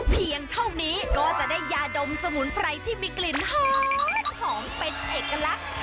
เพียงเท่านี้ก็จะได้ยาดมสมุนไพรที่มีกลิ่นหอมเป็นเอกลักษณ์